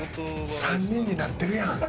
３人になってるやん！